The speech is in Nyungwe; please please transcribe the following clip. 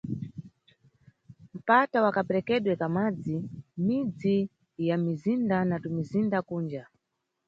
Mpata wa kaperekedwe ka madzi mʼmidzi ya mʼmizinda na tumizinda kunja.